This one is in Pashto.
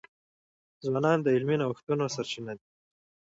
ځوانان د علمي نوښتونو سرچینه دي.